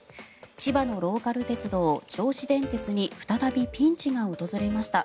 千葉のローカル鉄道、銚子電鉄に再びピンチが訪れました。